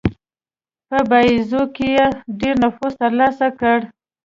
په باییزو کې یې ډېر نفوذ ترلاسه کړ.